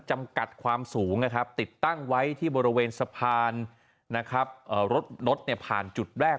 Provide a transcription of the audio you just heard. จำกัดความสูงนะครับติดตั้งไว้ที่บริเวณสะพานนะครับรถผ่านจุดแรก